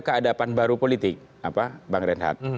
keadapan baru politik bang reinhardt